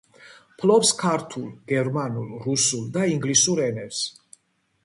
ფლობს ქართულ, გერმანულ, რუსულ და ინგლისურ ენებს.